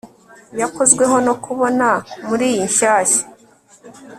Yakozweho no kubona muriyi nshyashya